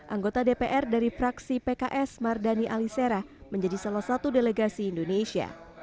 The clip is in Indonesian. anggota dpr dari fraksi pks mardani alisera menjadi salah satu delegasi indonesia